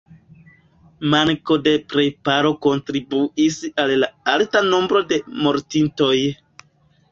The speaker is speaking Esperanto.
Manko de preparo kontribuis al la alta nombro de mortintoj.